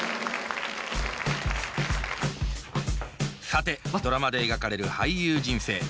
さてドラマで描かれる俳優人生。